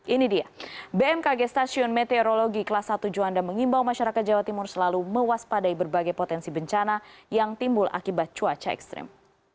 ini dia bmkg stasiun meteorologi kelas satu juanda mengimbau masyarakat jawa timur selalu mewaspadai berbagai potensi bencana yang timbul akibat cuaca ekstrim